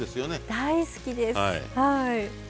大好きです。